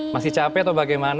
masih capek atau bagaimana